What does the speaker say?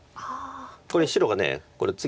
これ白がこれ次